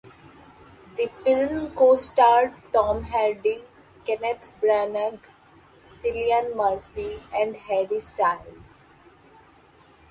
The film co-starred Tom Hardy, Kenneth Branagh, Cillian Murphy and Harry Styles.